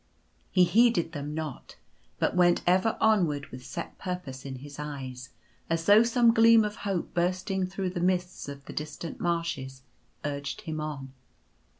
He heeded them not ; but went ever onward with set purpose in his eyes, as though some gleam of hope bursting through the mists of the distant marshes urged him on.